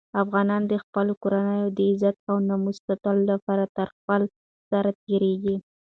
افغانان د خپلو کورنیو د عزت او ناموس ساتلو لپاره تر خپل سر تېرېږي.